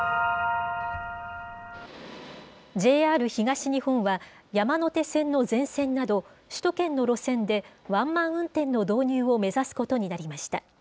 ＪＲ東日本は、山手線の全線など、首都圏の路線でワンマン運転の導入を目指すことになりました。